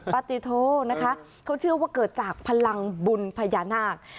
ปฏิโธนะคะเขาเชื่อว่าเกิดจากพลังบุญพญานาค